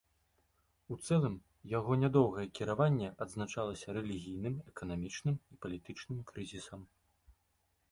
У цэлым яго нядоўгае кіраванне адзначалася рэлігійным, эканамічным і палітычным крызісам.